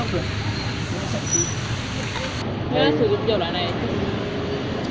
nó sẽ chín